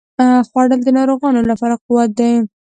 خوړل د ناروغانو لپاره قوت دی